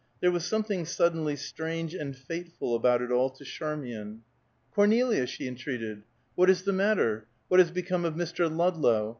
There was something suddenly strange and fateful about it all to Charmian. "Cornelia!" she entreated. "What is the matter? What has become of Mr. Ludlow?